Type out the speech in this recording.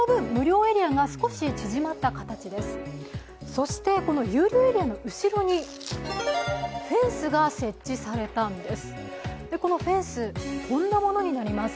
そして、有料エリアの後ろにフェンスが設置されたんです。